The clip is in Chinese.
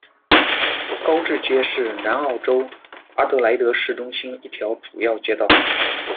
高志街是南澳州阿德莱德市中心一条主要街道。